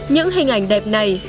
những hình ảnh đẹp này